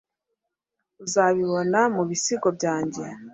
uzabibona mubisigo byanjye